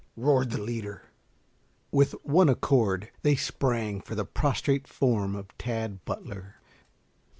roared the leader. With one accord they sprang for the prostrate form of Tad Butler.